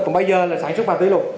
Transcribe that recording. còn bây giờ là sản xuất ma túy luôn